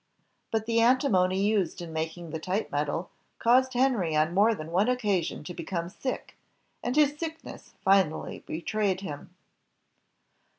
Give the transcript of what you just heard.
But the antimony used in making the type metal caused Henry on more than one occasion to become sick, and his sickness finally betrayed him.